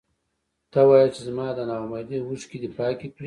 ته وې چې زما د نا اميدۍ اوښکې دې پاکې کړې.